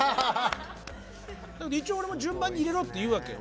だけど一応俺も順番に入れろって言うわけよ。